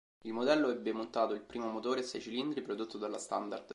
Il modello ebbe montato il primo motore a sei cilindri prodotto dalla Standard.